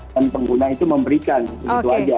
dan pengguna itu memberikan itu aja